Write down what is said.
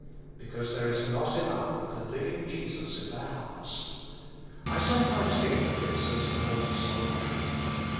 Because there is not enough of the liv ing Jesus in their hearts. I some times think of this as a most solemn truth.